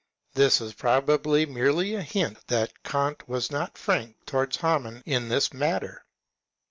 This is pro bably merely a hint that Kant was not frank towards Hamaun in this matter.